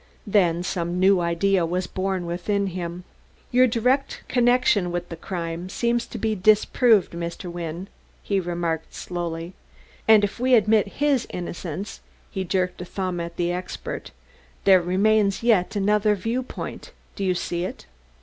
And then some new idea was born within him. "Your direct connection with the crime seems to be disproved, Mr. Wynne," he remarked slowly; "and if we admit his innocence," he jerked a thumb at the expert, "there remains yet another view point. Do you see it?"